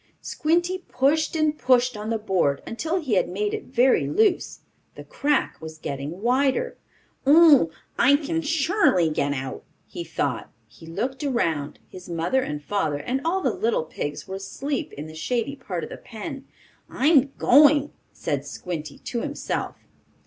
Squinty pushed and pushed on the board until he had made it very loose. The crack was getting wider. "Oh, I can surely get out!" he thought. He looked around; his mother and father and all the little pigs were asleep in the shady part of the pen. "I'm going!" said Squinty to himself.